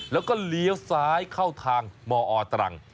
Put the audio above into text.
แล้วก็เลี้ยวซ้ายเข้าทางมอตรัง